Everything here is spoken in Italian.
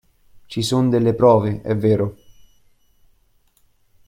Ci son delle prove è vero.